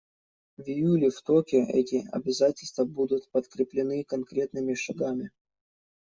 В июле в Токио эти обязательства будут подкреплены конкретными шагами.